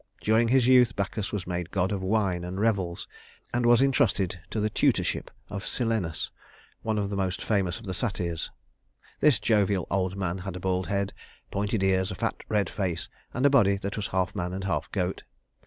During his youth, Bacchus was made god of wine and revels, and was intrusted to the tutorship of Silenus, one of the most famous of the satyrs. This jovial old man had a bald head, pointed ears, a fat red face, and a body that was half man and half goat.